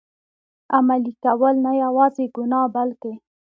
عملي کول، نه یوازي ګناه بلکه.